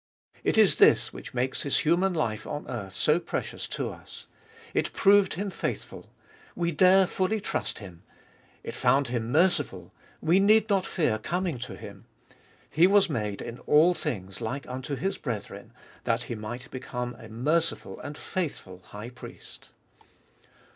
It is this which makes His human life on earth so precious to us. It proved Him faithful : we dare fully trust Him. It found Him merciful : we need not fear coming to Him. He was made in all things like unto His brethren, that He might become a merciful and faithful High Priest.